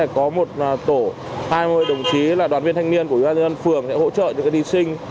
trong tổ hai mươi đồng chí là đoàn viên thanh niên của ubnd phường sẽ hỗ trợ cho các thí sinh